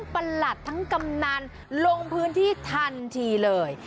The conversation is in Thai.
ประหลัดทั้งกำนันลงพื้นที่ทันทีเลย